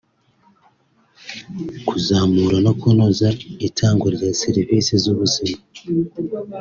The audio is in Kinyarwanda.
kuzamura no kunoza itangwa rya serivisi z’ubuzima